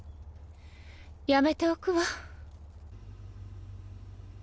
やめておくわ。